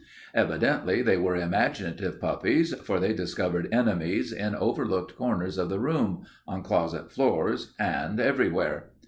Evidently they were imaginative puppies, for they discovered enemies in overlooked corners of the room, on closet floors, and everywhere.